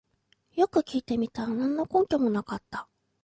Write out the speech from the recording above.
よく聞いてみたら何の根拠もなかった